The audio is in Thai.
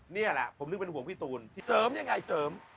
นี่แหละผมถึงเป็นห่วงพี่ตูนพี่เสริมยังไงเสริม